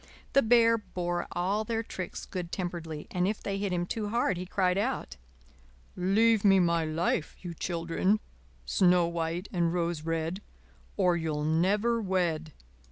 The Bear bore all their tricks good temperedly, and if they hit him too hard he cried out: "Leave me my life, you children, Snow White and Rose Red, Or you'll never wed."